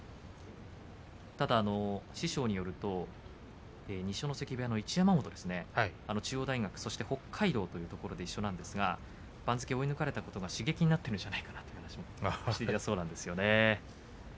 ただ師匠によると二所ノ関部屋の一山本中央大学、そして北海道というところで一緒なんですが番付を追い抜かれたことが刺激になっているんじゃないかという話をしていました。